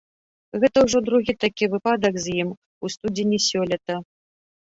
Гэта ўжо другі такі выпадак з ім у студзені сёлета.